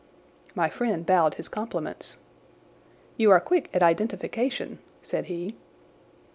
My friend bowed his compliments. "You are quick at identification," said he.